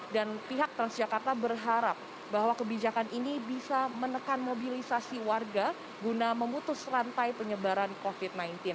dan pihak transjakarta berharap bahwa kebijakan ini bisa menekan mobilisasi warga guna memutus rantai penyebaran covid sembilan belas